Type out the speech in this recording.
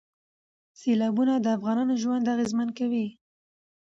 سیلابونه د افغانانو ژوند اغېزمن کوي.